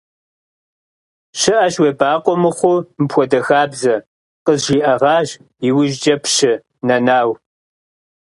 – ЩыӀэщ уебакъуэ мыхъуу мыпхуэдэ хабзэ, – къызжиӀэгъащ иужькӀэ Пщы Нэнау.